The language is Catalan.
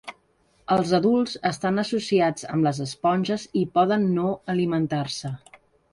Els adults estan associats amb les esponges i poden no alimentar-se.